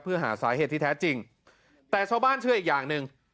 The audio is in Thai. เพื่อหาสาเหตุที่แท้จริงแต่ชาวบ้านเชื่ออีกอย่างหนึ่ง